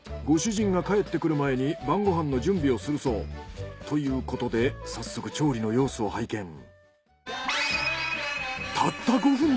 ご主人が帰ってくる前に晩ご飯の準備をするそう。ということで早速調理の様子を拝見。